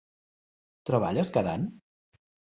Treballes cada any?